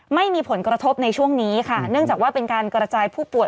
ไม่มีผลกระทบในช่วงนี้ค่ะเนื่องจากว่าเป็นการกระจายผู้ป่ว